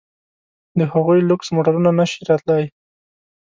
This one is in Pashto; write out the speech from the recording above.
د هغوی لوکس موټرونه نه شي راتلای.